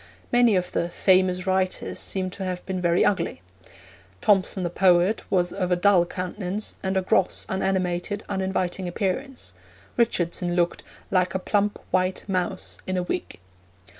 Many of the 'famous writers' seem to have been very ugly. Thomson, the poet, was of a dull countenance, and a gross, unanimated, uninviting appearance; Richardson looked 'like a plump white mouse in a wig.'